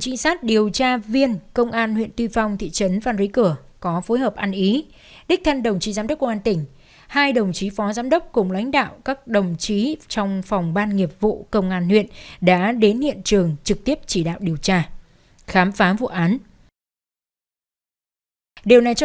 qua điều tra ban truyền án cũng xác định lê thị tranh là đối tượng ham mê cờ bạc